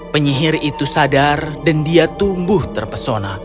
penyihir itu sadar dan dia tumbuh terpesona